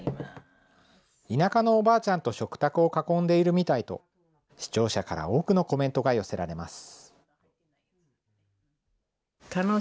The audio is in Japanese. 田舎のおばあちゃんと食卓を囲んでいるみたいと、視聴者から多くのコメントが寄せられます。